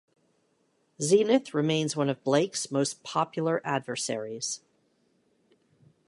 Zenith remains one of Blake's most popular adversaries.